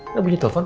ya boleh di telepon